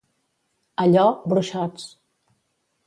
A Llo, bruixots.